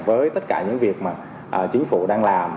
với tất cả những việc mà chính phủ đang làm